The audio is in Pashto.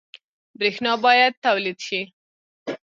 برښنا باید تولید شي